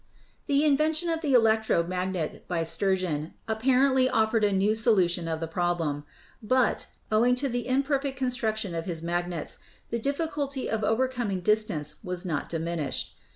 The invention of the electro magnet by Sturgeon ap parently offered a new solution of the problem ; but, owing to the imperfect construction of his magnets, the difficulty of overcoming distance was not diminished.